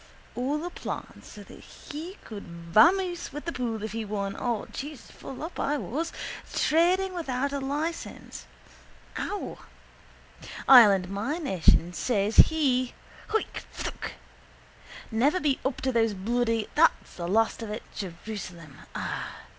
all a plan so he could vamoose with the pool if he won or (Jesus, full up I was) trading without a licence (ow!) Ireland my nation says he (hoik! phthook!) never be up to those bloody (there's the last of it) Jerusalem ah!